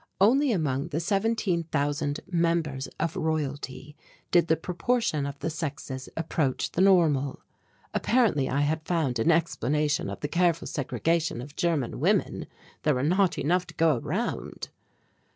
Only among the seventeen thousand members of Royalty did the proportion of the sexes approach the normal. Apparently I had found an explanation of the careful segregation of German women there were not enough to go around!